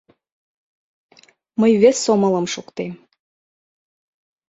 — Мый вес сомылым шуктем.